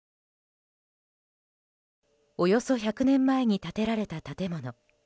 およそ１００年前に建てられた建物。